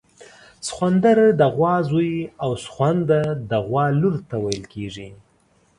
سخوندر د غوا زوی او سخونده د غوا لور ته ویل کیږي